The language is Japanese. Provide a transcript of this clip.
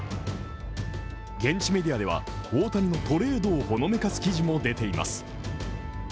現地メディアでは、大谷のトレードをほのめかす記事も出ています。